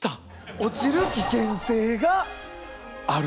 落ちる危険性がある。